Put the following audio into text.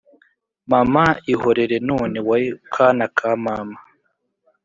Mama ihorere none we kana ka mama